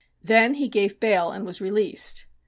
Then he gave bail and was released.